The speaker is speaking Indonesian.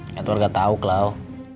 ngetor gak tau klau